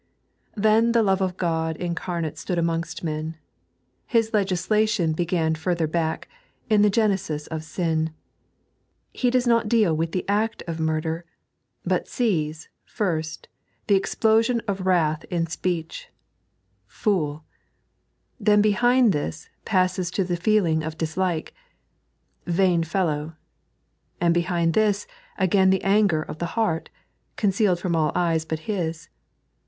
Then the Love of Ciod incarnate stood amongst men. His legislation began further back, in the genesis of sin. He does not deal with the act of murder, but sees, first, the explosion of wrath in speech — Fot^; then behind this passes to the feeling of dislike — Vam fellow; and behind this again the anger of the heart, concealed from all eyes but His.